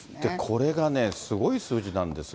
これがね、すごい数字なんですが。